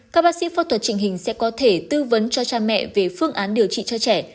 các bác sĩ phẫu thuật trình hình sẽ có thể tư vấn cho cha mẹ về phương án điều trị cho trẻ